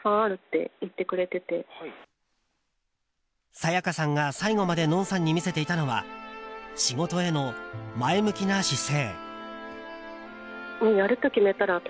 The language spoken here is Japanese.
沙也加さんが、最後までＮＯＮさんに見せていたのは仕事への前向きな姿勢。